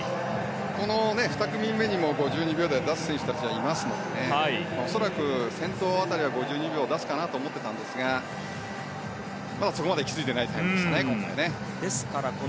この２組目にも５２秒台を出す選手がいますので恐らく、先頭辺りは５２秒を出すかなと思っていたんですがそこまで出きってないタイムでしたね。